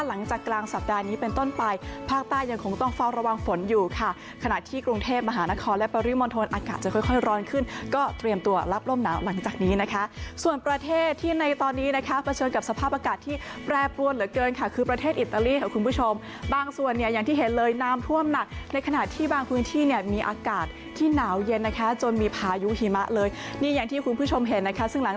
อากาศจะค่อยค่อยร้อนขึ้นก็เตรียมตัวรับร่มหนาวหลังจากนี้นะคะส่วนประเทศที่ในตอนนี้นะคะเผชิญกับสภาพอากาศที่แปรปวนเหลือเกินค่ะคือประเทศอิตาลีของคุณผู้ชมบางส่วนเนี่ยอย่างที่เห็นเลยน้ำท่วมหนักในขณะที่บางพื้นที่เนี่ยมีอากาศที่หนาวเย็นนะคะจนมีพายุหิมะเลยนี่อย่างที่คุณผู้ชมเห็